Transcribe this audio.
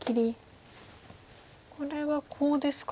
これはコウですか？